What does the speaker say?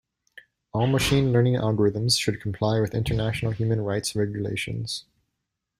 All machine learning algorithms should comply with international human rights regulations.